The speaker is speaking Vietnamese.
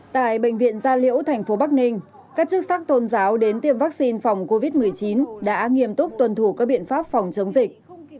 tại bệnh viện gia liễu thành phố bắc ninh các chức sắc tôn giáo đến tiêm vaccine phòng covid một mươi chín đã nghiêm túc tuân thủ các biện pháp phòng chống dịch